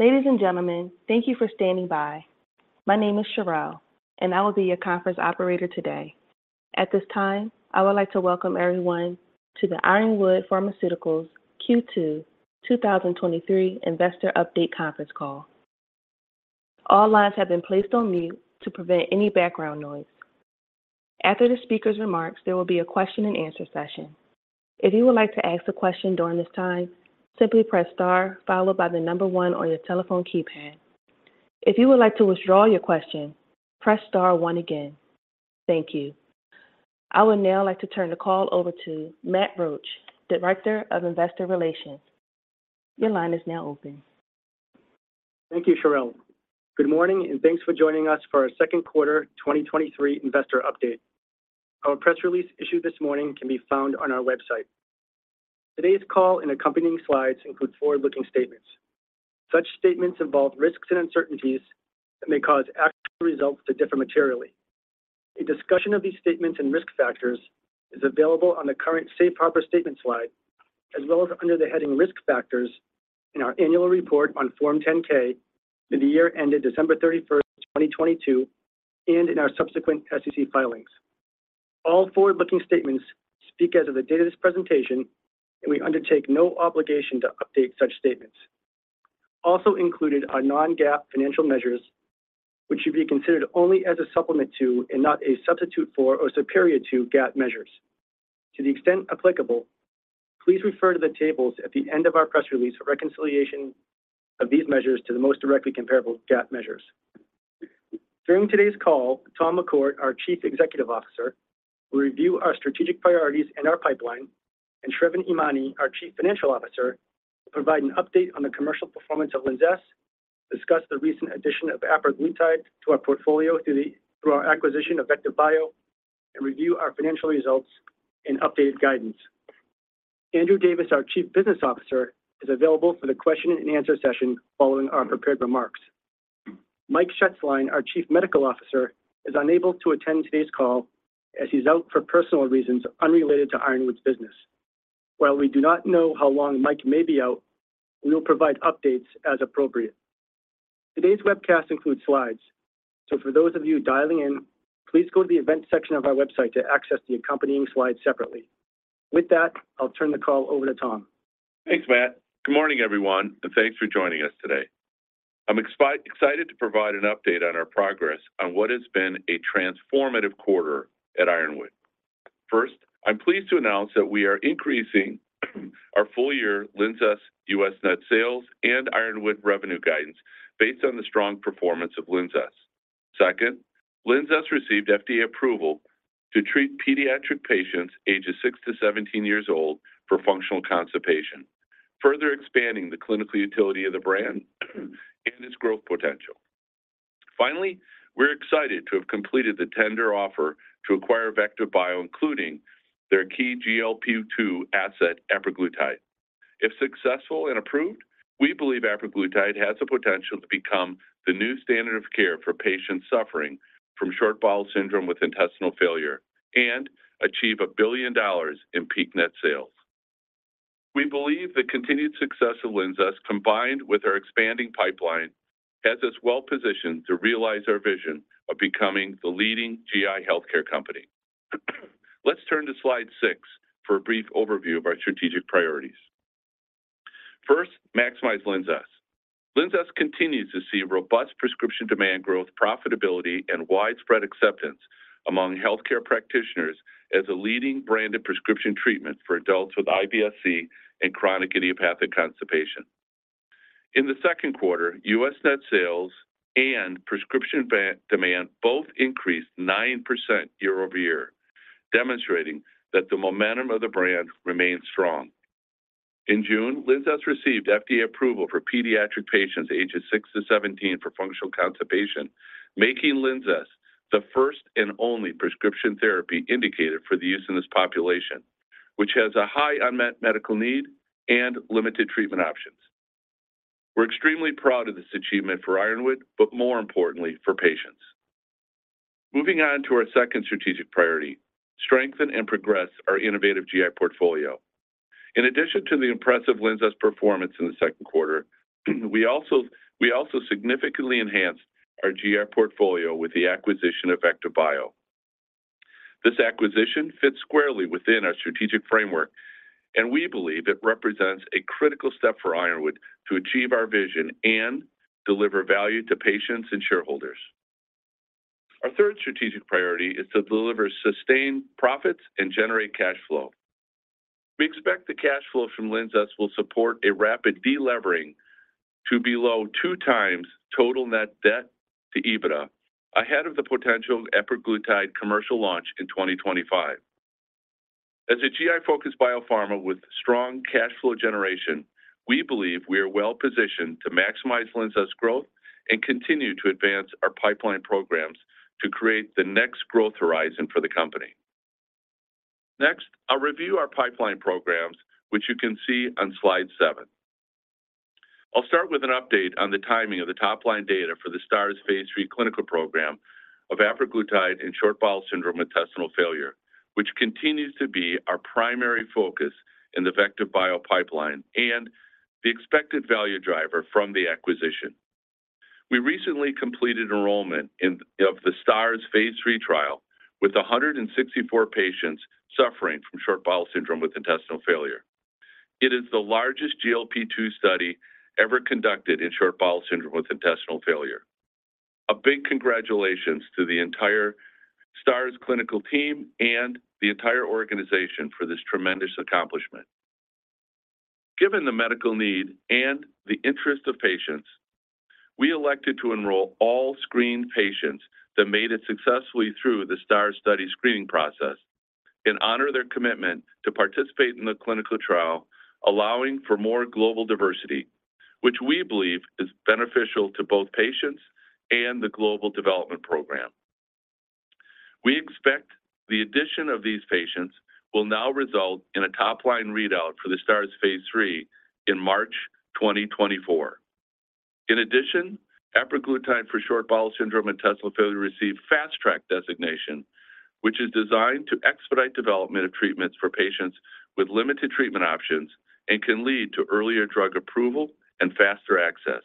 Ladies and gentlemen, thank you for standing by. My name is Cheryl, and I will be your conference operator today. At this time, I would like to welcome everyone to the Ironwood Pharmaceuticals Q2 2023 Investor Update conference call. All lines have been placed on mute to prevent any background noise. After the speaker's remarks, there will be a question and answer session. If you would like to ask a question during this time, simply press star followed by the number one on your telephone keypad. If you would like to withdraw your question, press star one again. Thank you. I would now like to turn the call over to Matt Rohana, Director of Investor Relations. Your line is now open. Thank you, Cheryl. Good morning, thanks for joining us for our second quarter 2023 investor update. Our press release issued this morning can be found on our website. Today's call and accompanying slides include forward-looking statements. Such statements involve risks and uncertainties that may cause actual results to differ materially. A discussion of these statements and risk factors is available on the current safe harbor statement slide, as well as under the heading Risk Factors in our annual report on Form 10-K for the year ended December 31, 2022, and in our subsequent SEC filings. All forward-looking statements speak as of the date of this presentation, and we undertake no obligation to update such statements. Also included are non-GAAP financial measures, which should be considered only as a supplement to and not a substitute for or superior to GAAP measures. To the extent applicable, please refer to the tables at the end of our press release for reconciliation of these measures to the most directly comparable GAAP measures. During today's call, Tom McCourt, our Chief Executive Officer, will review our strategic priorities and our pipeline, and Sravan Emany, our Chief Financial Officer, will provide an update on the commercial performance of LINZESS, discuss the recent addition of apraglutide to our portfolio through our acquisition of VectivBio, and review our financial results and updated guidance. Andrew Davis, our Chief Business Officer, is available for the question and answer session following our prepared remarks. Mike Shetzline, our Chief Medical Officer, is unable to attend today's call as he's out for personal reasons unrelated to Ironwood's business. While we do not know how long Mike may be out, we will provide updates as appropriate. Today's webcast includes slides. For those of you dialing in, please go to the events section of our website to access the accompanying slides separately. With that, I'll turn the call over to Tom. Thanks, Matt. Good morning, everyone, thanks for joining us today. I'm excited to provide an update on our progress on what has been a transformative quarter at Ironwood. First, I'm pleased to announce that we are increasing our full-year LINZESS U.S. net sales and Ironwood revenue guidance based on the strong performance of LINZESS. Second, LINZESS received FDA approval to treat pediatric patients ages six to 17 years old for functional constipation, further expanding the clinical utility of the brand and its growth potential. Finally, we're excited to have completed the tender offer to acquire VectivBio, including their key GLP-2 asset, apraglutide. If successful and approved, we believe apraglutide has the potential to become the new standard of care for patients suffering from short bowel syndrome with intestinal failure and achieve $1 billion in peak net sales. We believe the continued success of LINZESS, combined with our expanding pipeline, has us well positioned to realize our vision of becoming the leading GI healthcare company. Let's turn to slide 6 for a brief overview of our strategic priorities. First, maximize LINZESS. LINZESS continues to see robust prescription demand growth, profitability, and widespread acceptance among healthcare practitioners as a leading branded prescription treatment for adults with IBS-C and chronic idiopathic constipation. In the second quarter, U.S. net sales and prescription demand both increased 9% year-over-year, demonstrating that the momentum of the brand remains strong. In June, LINZESS received FDA approval for pediatric patients ages six to 17 for functional constipation, making LINZESS the first and only prescription therapy indicated for the use in this population, which has a high unmet medical need and limited treatment options. We're extremely proud of this achievement for Ironwood, but more importantly, for patients. Moving on to our second strategic priority: strengthen and progress our innovative GI portfolio. In addition to the impressive LINZESS performance in the second quarter, we also significantly enhanced our GI portfolio with the acquisition of VectivBio. This acquisition fits squarely within our strategic framework. We believe it represents a critical step for Ironwood to achieve our vision and deliver value to patients and shareholders. Our third strategic priority is to deliver sustained profits and generate cash flow. We expect the cash flow from LINZESS will support a rapid delevering to below two times total net debt to EBITDA, ahead of the potential apraglutide commercial launch in 2025. As a GI-focused biopharma with strong cash flow generation, we believe we are well positioned to maximize LINZESS growth and continue to advance our pipeline programs to create the next growth horizon for the company. I'll review our pipeline programs, which you can see on slide seven. I'll start with an update on the timing of the top-line data for the STARS phase three clinical program of apraglutide in short bowel syndrome with intestinal failure, which continues to be our primary focus in the VectivBio pipeline and the expected value driver from the acquisition. We recently completed enrollment of the STARS phase three trial, with 164 patients suffering from short bowel syndrome with intestinal failure. It is the largest GLP-2 study ever conducted in short bowel syndrome with intestinal failure. A big congratulations to the entire STARS clinical team and the entire organization for this tremendous accomplishment. Given the medical need and the interest of patients, we elected to enroll all screened patients that made it successfully through the STARS study screening process, honor their commitment to participate in the clinical trial, allowing for more global diversity, which we believe is beneficial to both patients and the global development program. We expect the addition of these patients will now result in a top-line readout for the STARS phase 3 in March 2024. In addition, apraglutide for short bowel syndrome and intestinal failure received Fast Track designation, which is designed to expedite development of treatments for patients with limited treatment options and can lead to earlier drug approval and faster access.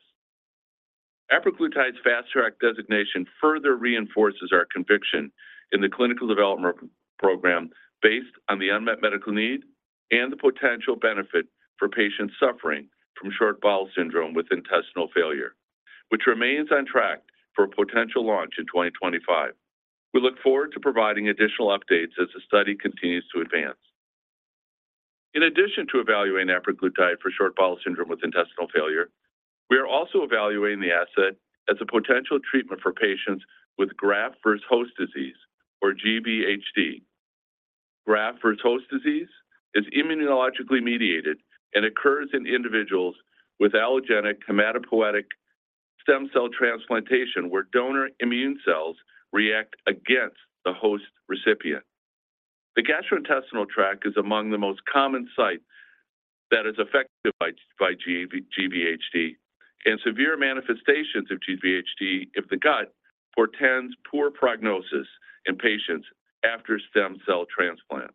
Apraglutide's Fast Track designation further reinforces our conviction in the clinical development program based on the unmet medical need and the potential benefit for patients suffering from short bowel syndrome with intestinal failure, which remains on track for a potential launch in 2025. We look forward to providing additional updates as the study continues to advance. In addition to evaluating apraglutide for short bowel syndrome with intestinal failure, we are also evaluating the asset as a potential treatment for patients with graft-versus-host disease or GVHD. Graft-versus-host disease is immunologically mediated and occurs in individuals with allogeneic hematopoietic stem cell transplantation, where donor immune cells react against the host recipient. The gastrointestinal tract is among the most common sites that is affected by GVHD, and severe manifestations of GVHD of the gut portends poor prognosis in patients after stem cell transplant.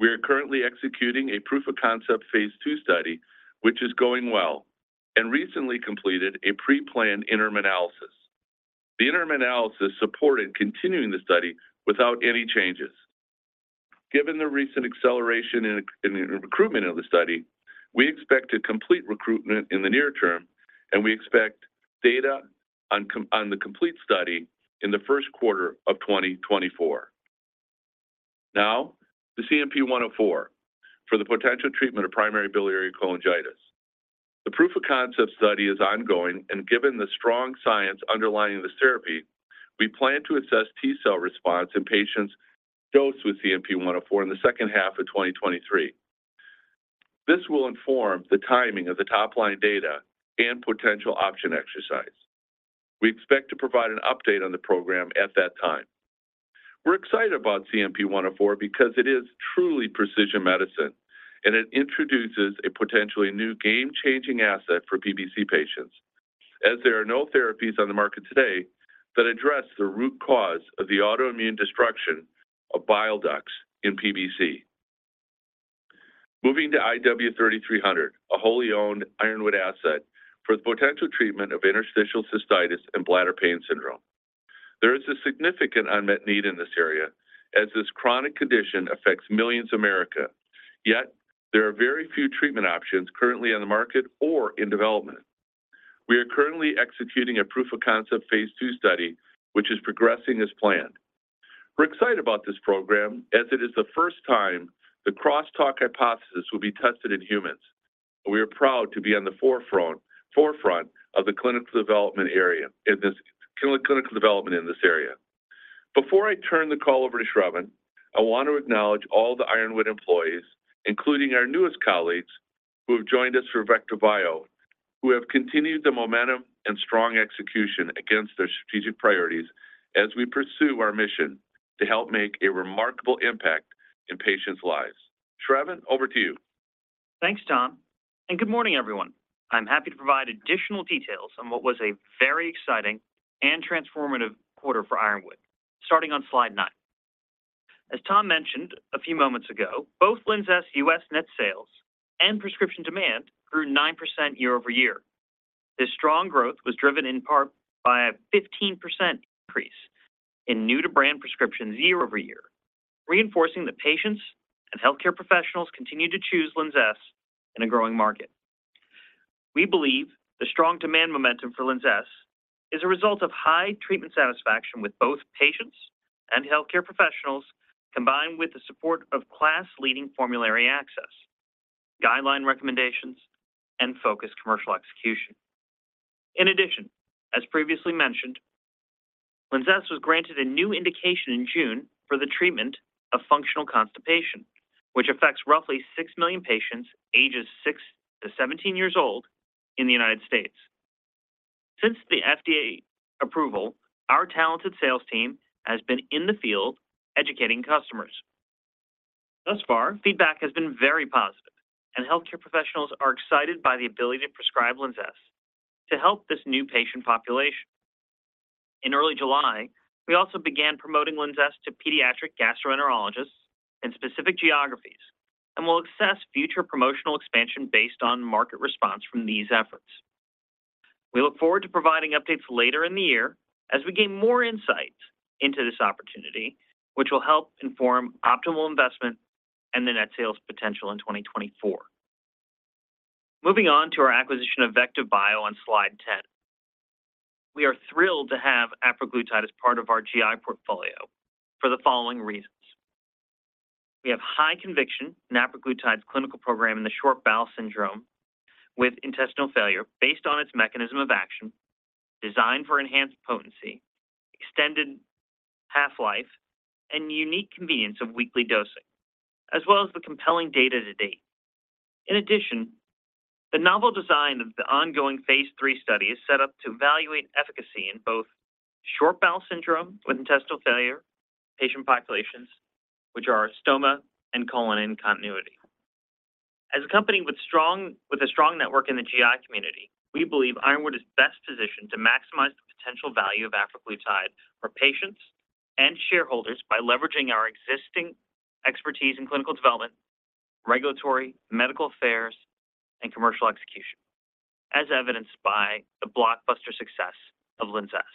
We are currently executing a proof of concept phase two study, which is going well and recently completed a pre-planned interim analysis. The interim analysis supported continuing the study without any changes. Given the recent acceleration in the recruitment of the study, we expect to complete recruitment in the near term, and we expect data on the complete study in the first quarter of 2024. Now, the CNP-104 for the potential treatment of primary biliary cholangitis. The proof of concept study is ongoing, and given the strong science underlying this therapy, we plan to assess T cell response in patients dosed with CNP-104 in the second half of 2023. This will inform the timing of the top-line data and potential option exercise. We expect to provide an update on the program at that time. We're excited about CNP-104 because it is truly precision medicine, and it introduces a potentially new game-changing asset for PBC patients, as there are no therapies on the market today that address the root cause of the autoimmune destruction of bile ducts in PBC. Moving to IW-3300, a wholly owned Ironwood asset for the potential treatment of interstitial cystitis and bladder pain syndrome. There is a significant unmet need in this area, as this chronic condition affects millions of America, yet there are very few treatment options currently on the market or in development. We are currently executing a proof of concept phase 2 study, which is progressing as planned. We're excited about this program as it is the first time the crosstalk hypothesis will be tested in humans. We are proud to be on the forefront of the clinical development area, in this clinical development in this area. Before I turn the call over to Sravan, I want to acknowledge all the Ironwood employees, including our newest colleagues, who have joined us for VectivBio, who have continued the momentum and strong execution against their strategic priorities as we pursue our mission to help make a remarkable impact in patients' lives. Sravan, over to you. Thanks, Tom. Good morning, everyone. I'm happy to provide additional details on what was a very exciting and transformative quarter for Ironwood, starting on slide 9. As Tom mentioned a few moments ago, both LINZESS U.S. net sales and prescription demand grew 9% year-over-year. This strong growth was driven in part by a 15% increase in new-to-brand prescriptions year-over-year, reinforcing that patients and healthcare professionals continue to choose LINZESS in a growing market. We believe the strong demand momentum for LINZESS is a result of high treatment satisfaction with both patients and healthcare professionals, combined with the support of class-leading formulary access, guideline recommendations, and focused commercial execution. In addition, as previously mentioned, LINZESS was granted a new indication in June for the treatment of functional constipation, which affects roughly six million patients, ages six to 17 years old in the United States. Since the FDA approval, our talented sales team has been in the field educating customers. Thus far, feedback has been very positive, and healthcare professionals are excited by the ability to prescribe LINZESS to help this new patient population. In early July, we also began promoting LINZESS to pediatric gastroenterologists in specific geographies and will assess future promotional expansion based on market response from these efforts. We look forward to providing updates later in the year as we gain more insight into this opportunity, which will help inform optimal investment and the net sales potential in 2024. Moving on to our acquisition of VectivBio on Slide 10. We are thrilled to have apraglutide as part of our GI portfolio for the following reasons. We have high conviction in apraglutide's clinical program in the short bowel syndrome with intestinal failure based on its mechanism of action, designed for enhanced potency, extended half-life, and unique convenience of weekly dosing, as well as the compelling data to date. In addition, the novel design of the ongoing phase three study is set up to evaluate efficacy in both short bowel syndrome with intestinal failure patient populations, which are stoma and colon in continuity. As a company with a strong network in the GI community, we believe Ironwood is best positioned to maximize the potential value of apraglutide for patients and shareholders by leveraging our existing expertise in clinical development, regulatory, medical affairs, and commercial execution, as evidenced by the blockbuster success of LINZESS.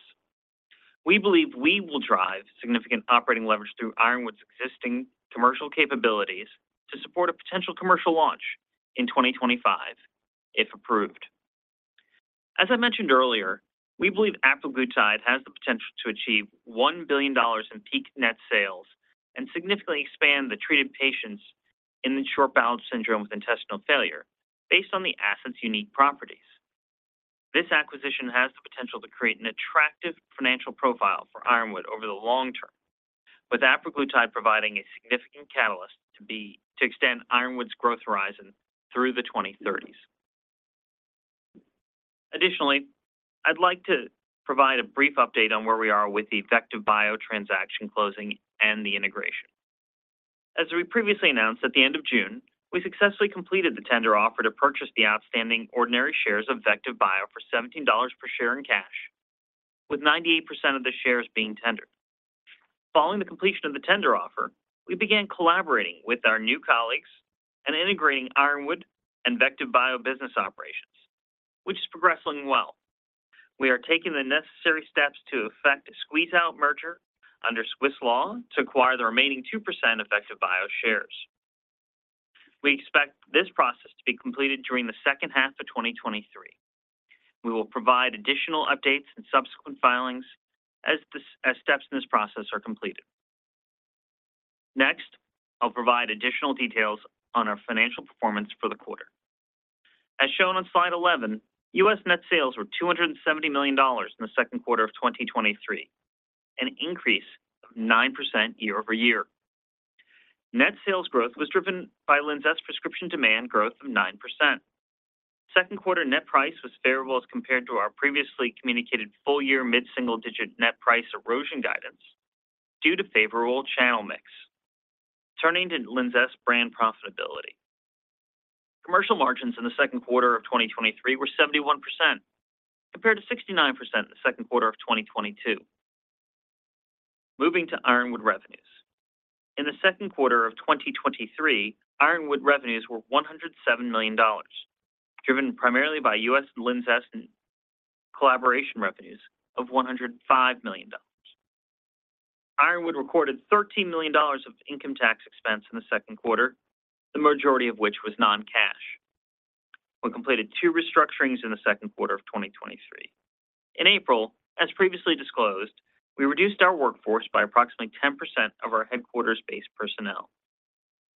We believe we will drive significant operating leverage through Ironwood's existing commercial capabilities to support a potential commercial launch in 2025, if approved. As I mentioned earlier, we believe apraglutide has the potential to achieve $1 billion in peak net sales and significantly expand the treated patients in the short bowel syndrome with intestinal failure based on the asset's unique properties. This acquisition has the potential to create an attractive financial profile for Ironwood over the long term, with apraglutide providing a significant catalyst to extend Ironwood's growth horizon through the 2030s. Additionally, I'd like to provide a brief update on where we are with the VectivBio transaction closing and the integration. As we previously announced, at the end of June, we successfully completed the tender offer to purchase the outstanding ordinary shares of VectivBio for $17 per share in cash, with 98% of the shares being tendered. Following the completion of the tender offer, we began collaborating with our new colleagues and integrating Ironwood and VectivBio business operations, which is progressing well. We are taking the necessary steps to effect a squeeze-out merger under Swiss law to acquire the remaining 2% of VectivBio shares. We expect this process to be completed during the second half of 2023. We will provide additional updates and subsequent filings as steps in this process are completed. I'll provide additional details on our financial performance for the quarter. As shown on slide 11, U.S. net sales were $270 million in the second quarter of 2023, an increase of 9% year-over-year. Net sales growth was driven by LINZESS prescription demand growth of 9%. Second quarter net price was favorable as compared to our previously communicated full-year mid-single-digit net price erosion guidance due to favorable channel mix. Turning to LINZESS brand profitability. Commercial margins in the second quarter of 2023 were 71%, compared to 69% in the second quarter of 2022. Moving to Ironwood revenues. In the second quarter of 2023, Ironwood revenues were $107 million, driven primarily by U.S. LINZESS and collaboration revenues of $105 million. Ironwood recorded $13 million of income tax expense in the second quarter, the majority of which was non-cash. We completed two restructurings in the second quarter of 2023. In April, as previously disclosed, we reduced our workforce by approximately 10% of our headquarters-based personnel.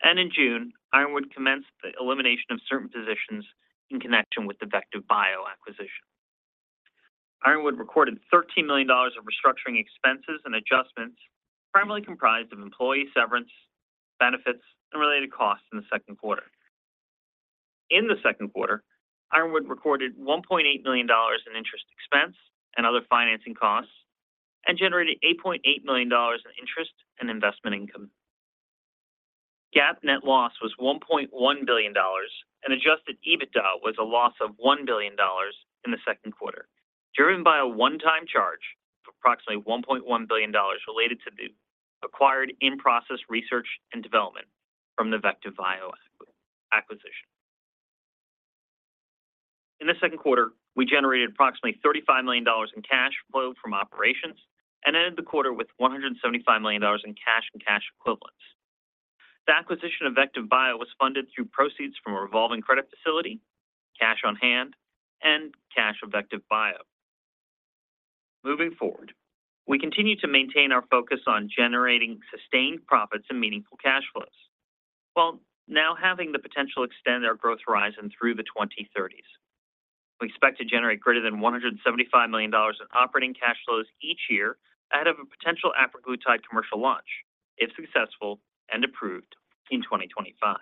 In June, Ironwood commenced the elimination of certain positions in connection with the VectivBio acquisition. Ironwood recorded $13 million of restructuring expenses and adjustments, primarily comprised of employee severance, benefits, and related costs in the second quarter. In the second quarter, Ironwood recorded $1.8 million in interest expense and other financing costs and generated $8.8 million in interest and investment income. GAAP net loss was $1.1 billion, and adjusted EBITDA was a loss of $1 billion in the second quarter, driven by a one-time charge of approximately $1.1 billion related to the acquired in-process research and development from the VectivBio acquisition. In the second quarter, we generated approximately $35 million in cash flow from operations and ended the quarter with $175 million in cash and cash equivalents. The acquisition of VectivBio was funded through proceeds from a revolving credit facility, cash on hand, and cash of VectivBio. Moving forward, we continue to maintain our focus on generating sustained profits and meaningful cash flows, while now having the potential to extend our growth horizon through the 2030s. We expect to generate greater than $175 million in operating cash flows each year out of a potential apraglutide commercial launch, if successful and approved in 2025.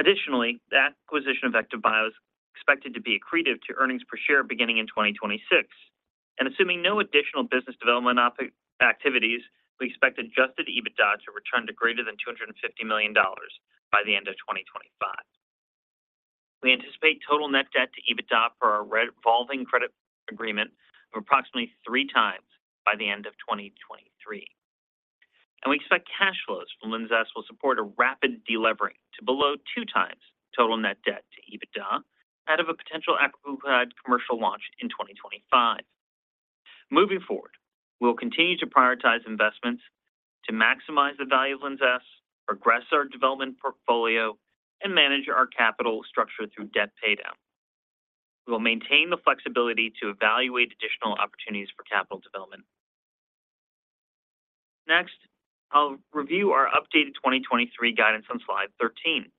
Additionally, the acquisition of VectivBio is expected to be accretive to earnings per share beginning in 2026. Assuming no additional business development activities, we expect adjusted EBITDA to return to greater than $250 million by the end of 2025. We anticipate total net debt to EBITDA for our revolving credit agreement of approximately three times by the end of 2023. We expect cash flows from LINZESS will support a rapid delevering to below two times total net debt to EBITDA, ahead of a potential apraglutide commercial launch in 2025. Moving forward, we'll continue to prioritize investments to maximize the value of LINZESS, progress our development portfolio, and manage our capital structure through debt paydown. We will maintain the flexibility to evaluate additional opportunities for capital development. Next, I'll review our updated 2023 guidance on slide 13.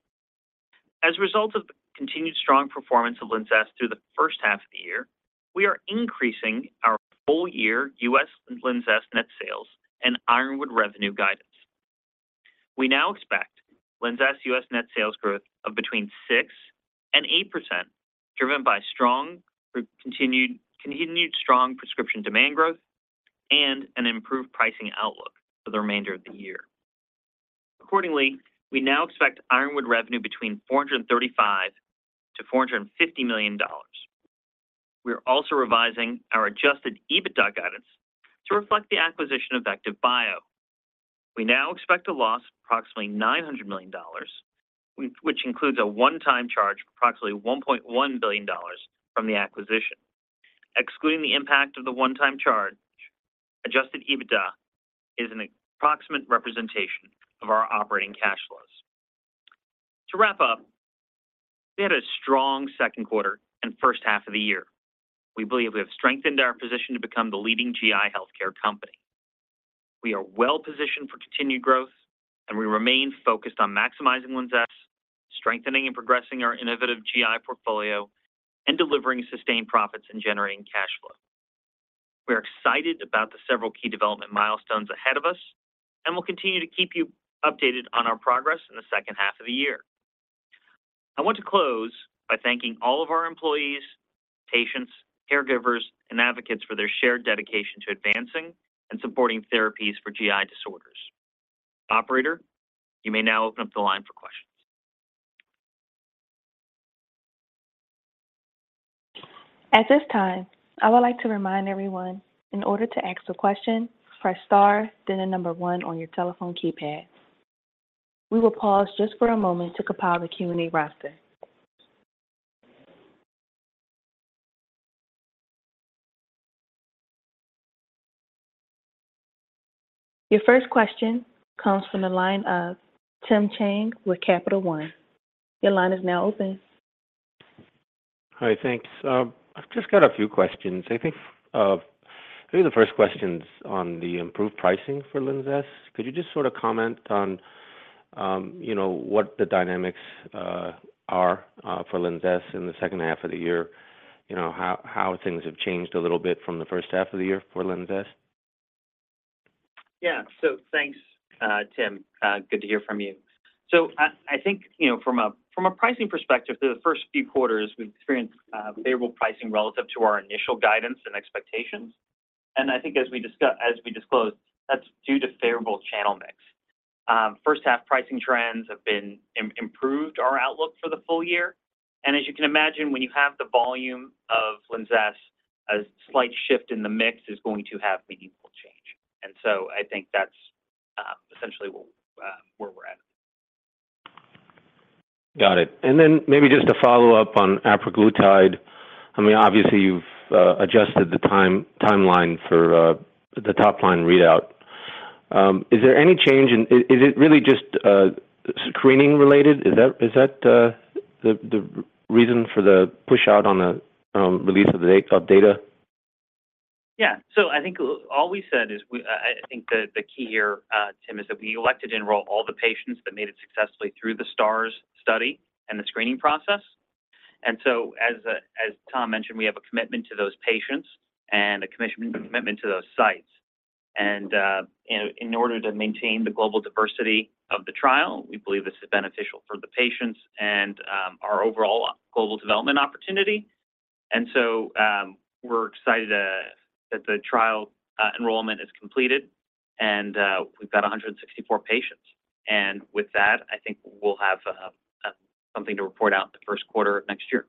As a result of the continued strong performance of LINZESS through the first half of the year, we are increasing our full-year U.S. LINZESS net sales and Ironwood revenue guidance. We now expect LINZESS U.S. net sales growth of between 6% and 8%, driven by continued strong prescription demand growth and an improved pricing outlook for the remainder of the year. Accordingly, we now expect Ironwood revenue between $435 million-$450 million. We are also revising our adjusted EBITDA guidance to reflect the acquisition of VectivBio. We now expect a loss of approximately $900 million, which includes a one-time charge of approximately $1.1 billion from the acquisition. Excluding the impact of the one-time charge, adjusted EBITDA is an approximate representation of our operating cash flows. To wrap up, we had a strong second quarter and first half of the year. We believe we have strengthened our position to become the leading GI healthcare company. We are well positioned for continued growth. We remain focused on maximizing LINZESS, strengthening and progressing our innovative GI portfolio, and delivering sustained profits and generating cash flow. We are excited about the several key development milestones ahead of us. We'll continue to keep you updated on our progress in the second half of the year. I want to close by thanking all of our employees, patients, caregivers, and advocates for their shared dedication to advancing and supporting therapies for GI disorders. Operator, you may now open up the line for questions. At this time, I would like to remind everyone, in order to ask a question, press star, then the number one on your telephone keypad. We will pause just for a moment to compile the Q&A roster. Your first question comes from the line of Tim Chiang with Capital One. Your line is now open. Hi, thanks. I've just got a few questions. I think, maybe the first question's on the improved pricing for LINZESS. Could you just sort of comment on, you know, what the dynamics are for LINZESS in the second half of the year? You know, how, how things have changed a little bit from the first half of the year for LINZESS? Yeah. Thanks, Tim. Good to hear from you. I, I think, you know, from a, from a pricing perspective, the first few quarters, we've experienced favorable pricing relative to our initial guidance and expectations. I think as we disclosed, that's due to favorable channel mix. First half pricing trends have been improved our outlook for the full year. As you can imagine, when you have the volume of LINZESS, a slight shift in the mix is going to have meaningful change. I think that's essentially where we're at. Got it. Then maybe just to follow up on apraglutide. I mean, obviously, you've adjusted the timeline for the top-line readout. Is it really just screening related? Is that the reason for the push out on the release of the top data? Yeah. I think all we said is we, I think the, the key here, Tim, is that we elected to enroll all the patients that made it successfully through the STARS study and the screening process. As, as Tom mentioned, we have a commitment to those patients and a commission, commitment to those sites. In, in order to maintain the global diversity of the trial, we believe this is beneficial for the patients and our overall global development opportunity. We're excited that, that the trial, enrollment is completed, and we've got 164 patients. With that, I think we'll have something to report out in the first quarter of next year.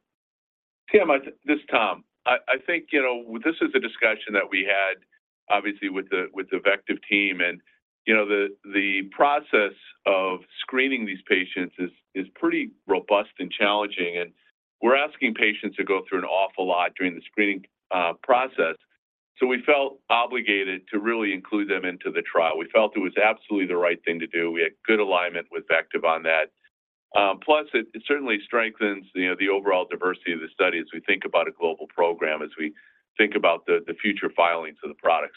Tim, this is Tom. I think, you know, this is a discussion that we had obviously with the, with the Vectiv team. You know, the, the process of screening these patients is, is pretty robust and challenging, and we're asking patients to go through an awful lot during the screening process. We felt obligated to really include them into the trial. We felt it was absolutely the right thing to do. We had good alignment with Vectiv on that. Plus, it, it certainly strengthens, you know, the overall diversity of the study as we think about a global program, as we think about the, the future filings of the product.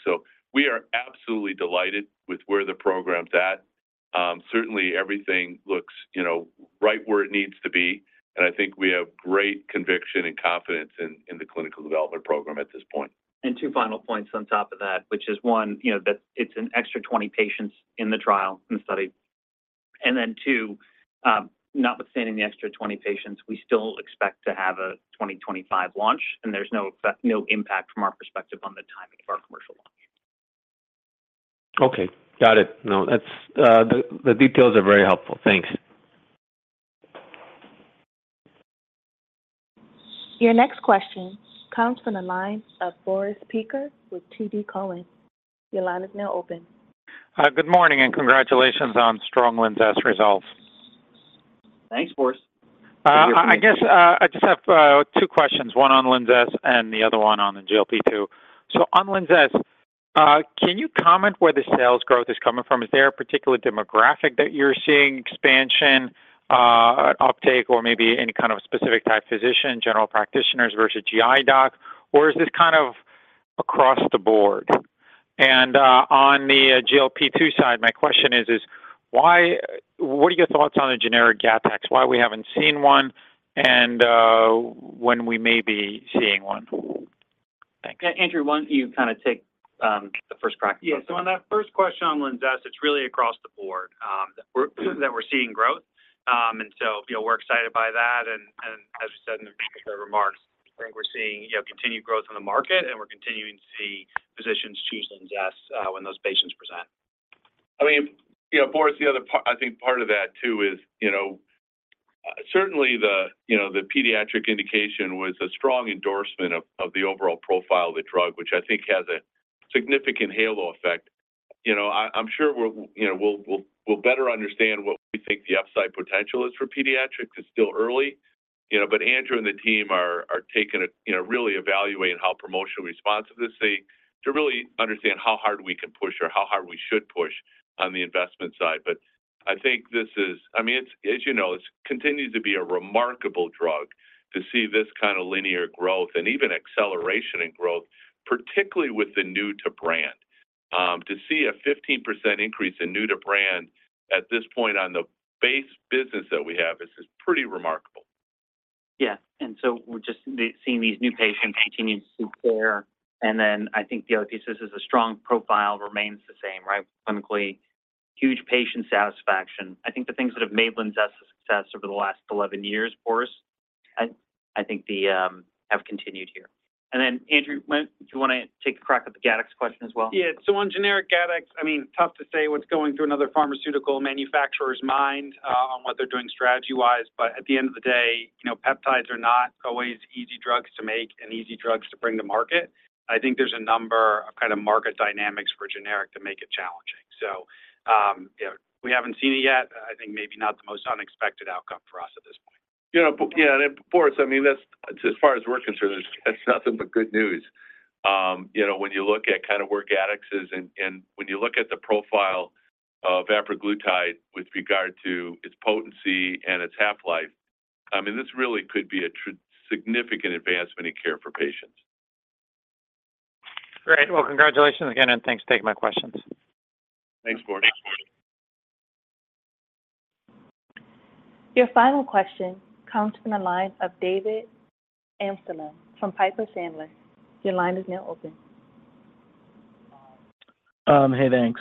We are absolutely delighted with where the program's at. Certainly, everything looks, you know, right where it needs to be, and I think we have great conviction and confidence in, in the clinical development program at this point. Two final points on top of that, which is, one, you know, that it's an extra 20 patients in the trial, in the study. ...Then two, notwithstanding the extra 20 patients, we still expect to have a 2025 launch, and there's no effect, no impact from our perspective on the timing of our commercial launch. Okay, got it. No, that's, the, the details are very helpful. Thanks. Your next question comes from the line of Boris Peaker with TD Cowen. Your line is now open. Good morning, congratulations on strong LINZESS results. Thanks, Boris. I guess, I just have two questions. One on LINZESS and the other one on the GLP-2. On LINZESS, can you comment where the sales growth is coming from? Is there a particular demographic that you're seeing expansion, uptake or maybe any kind of specific type physician, general practitioners versus GI doc, or is this kind of across the board? On the GLP-2 side, my question is, what are your thoughts on the generic GATTEX? Why we haven't seen one and when we may be seeing one? Thanks. Andrew, why don't you kind of take the first crack? Yeah. On that first question on LINZESS, it's really across the board that we're seeing growth. You know, we're excited by that. As you said in the remarks, I think we're seeing, you know, continued growth on the market, and we're continuing to see physicians choose LINZESS when those patients present. I mean, you know, Boris, I think part of that, too, is, you know, certainly the, you know, the pediatric indication was a strong endorsement of, of the overall profile of the drug, which I think has a significant halo effect. You know, I, I'm sure we're, you know, we'll, we'll, we'll better understand what we think the upside potential is for pediatrics. It's still early, you know, but Andrew and the team are taking it. You know, really evaluating how promotional responsive this is, to really understand how hard we can push or how hard we should push on the investment side. I think this is, I mean, it's, as you know, it's continued to be a remarkable drug to see this kind of linear growth and even acceleration in growth, particularly with the new-to-brand. To see a 15% increase in new to brand at this point on the base business that we have is pretty remarkable. Yeah, and so we're just seeing these new patients continue to see care. Then I think the other thesis is a strong profile remains the same, right? Clinically, huge patient satisfaction. I think the things that have made LINZESS a success over the last 11 years, Boris, have continued here. Then, Andrew, do you want to take a crack at the GATTEX question as well? Yeah. On generic GATTEX, I mean, tough to say what's going through another pharmaceutical manufacturer's mind on what they're doing strategy-wise. At the end of the day, you know, peptides are not always easy drugs to make and easy drugs to bring to market. I think there's a number of kind of market dynamics for generic to make it challenging. You know, we haven't seen it yet. I think maybe not the most unexpected outcome for us at this point. You know, yeah, Boris, I mean, that's, as far as we're concerned, that's nothing but good news. You know, when you look at kind of where GATTEX is and, and when you look at the profile of apraglutide with regard to its potency and its half-life, I mean, this really could be a true significant advancement in care for patients. Great. Well, congratulations again, and thanks for taking my questions. Thanks, Boris. Your final question comes from the line of David Amsellem from Piper Sandler. Your line is now open. Hey, thanks.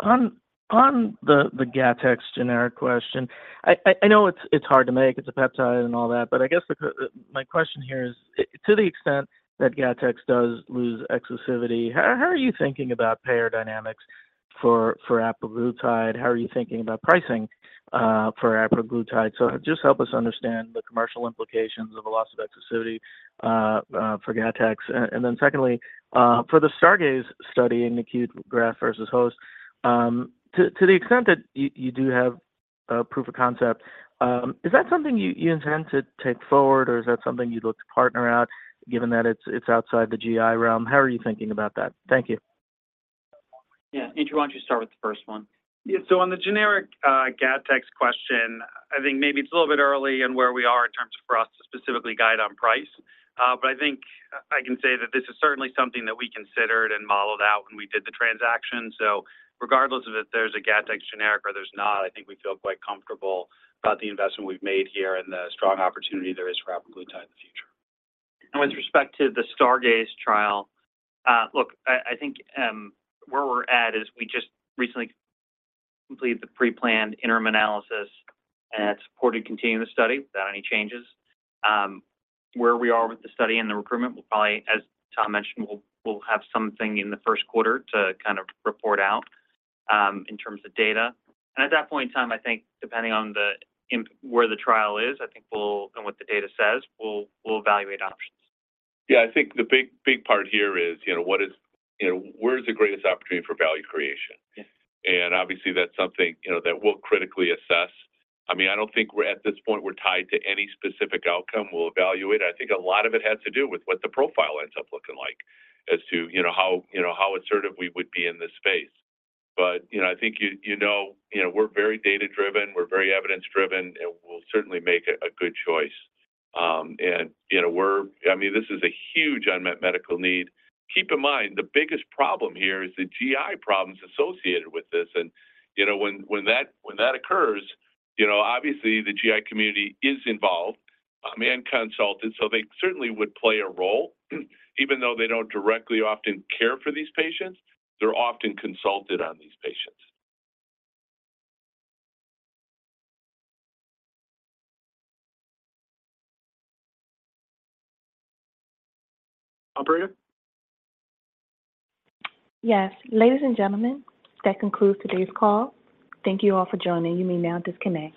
On, on the, the GATTEX generic question, I, I, I know it's, it's hard to make. It's a peptide and all that, but I guess my question here is, to the extent that GATTEX does lose exclusivity, how, how are you thinking about payer dynamics for, for apraglutide? How are you thinking about pricing for apraglutide? Just help us understand the commercial implications of a loss of exclusivity for GATTEX. Then secondly, for the STARGAZE study in acute graft-versus-host, to the extent that you, you do have proof of concept, is that something you, you intend to take forward, or is that something you'd look to partner out, given that it's, it's outside the GI realm? How are you thinking about that? Thank you. Yeah. Andrew, why don't you start with the first one? Yeah. On the generic GATTEX question, I think maybe it's a little bit early in where we are in terms of for us to specifically guide on price. I think I can say that this is certainly something that we considered and modeled out when we did the transaction. Regardless of if there's a GATTEX generic or there's not, I think we feel quite comfortable about the investment we've made here and the strong opportunity there is for apraglutide in the future. With respect to the STARGAZE trial, look, I, I think, where we're at is we just recently completed the pre-planned interim analysis, and it supported continuing the study without any changes. Where we are with the study and the recruitment, we'll probably, as Tom mentioned, we'll, we'll have something in the first quarter to kind of report out, in terms of data. At that point in time, I think depending on the imp-- where the trial is, I think we'll, and what the data says, we'll, we'll evaluate options. Yeah, I think the big, big part here is, you know, what is, you know, where is the greatest opportunity for value creation? Yeah. Obviously, that's something, you know, that we'll critically assess. I mean, I don't think we're, at this point, we're tied to any specific outcome we'll evaluate. I think a lot of it has to do with what the profile ends up looking like as to, you know, how, you know, how assertive we would be in this space. You know, I think you, you know, you know, we're very data-driven, we're very evidence-driven, and we'll certainly make a, a good choice. And, you know, I mean, this is a huge unmet medical need. Keep in mind, the biggest problem here is the GI problems associated with this, and, you know, when, when that, when that occurs, you know, obviously the GI community is involved, and consulted. They certainly would play a role. Even though they don't directly often care for these patients, they're often consulted on these patients. Operator? Yes. Ladies and gentlemen, that concludes today's call. Thank you all for joining. You may now disconnect.